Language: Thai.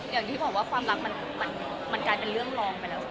อย่างที่บอกว่าความรักมันกลายเป็นเรื่องรองไปแล้ว